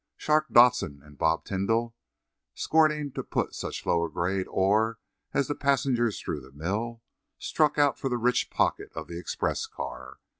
Shark Dodson and Bob Tidball, scorning to put such low grade ore as the passengers through the mill, struck out for the rich pocket of the express car.